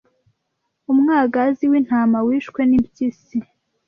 Umwagazi w'intama wishwe n'impyisi.